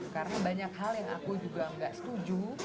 karena banyak hal yang aku juga nggak setuju